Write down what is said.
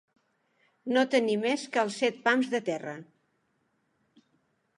No tenir més que els set pams de terra.